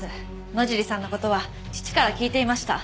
野尻さんの事は父から聞いていました。